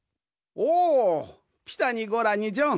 おおピタにゴラにジョン。